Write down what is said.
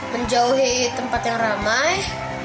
menjauhi tempat yang ramai